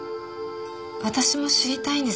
私も知りたいんです。